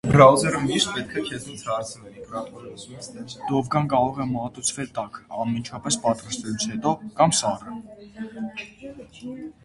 Դովգան կարող է մատուցվել տաք, անմիջապես պատրաստելուց հետո կամ սառը։